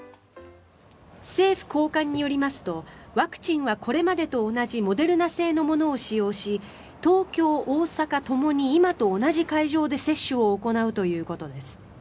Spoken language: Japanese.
政府高官によりますとワクチンはこれまでと同じモデルナ製のものを使用し東京、大阪ともに今と同じ会場で接種を行うということです。